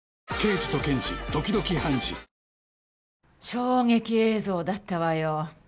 衝撃映像だったわよ。